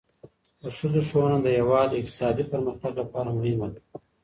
د ښځو ښوونه د هیواد د اقتصادي پرمختګ لپاره مهمه ده.